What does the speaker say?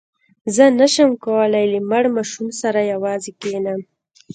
زه نه شم کولای له مړ ماشوم سره یوازې کښېنم.